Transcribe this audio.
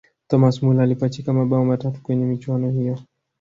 thomas muller alipachika mabao matatu kwenye michuano hiyo